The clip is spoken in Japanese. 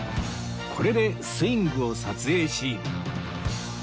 これでスイングを撮影し